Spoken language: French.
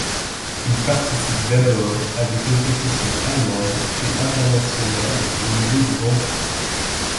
Il participe d'abord à des compétitions allemandes puis internationales au niveau du Grand Prix.